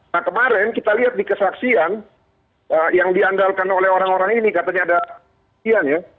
nah kemarin kita lihat di kesaksian yang diandalkan oleh orang orang ini katanya ada kesaksian ya